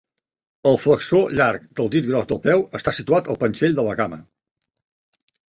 El flexor llarg del dit gros del peu està situat al panxell de la cama.